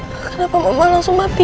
ricky akan laporkan aku dan elsa ke polisi